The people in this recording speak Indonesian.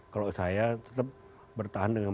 kalau saya tetap bertahan dengan